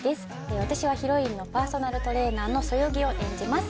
私はヒロインのパーソナルトレーナーのそよぎを演じます。